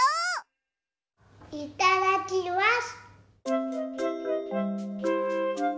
いただきます！